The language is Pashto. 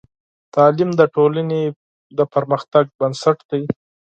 تعلیم د ټولنې د پرمختګ بنسټ دی.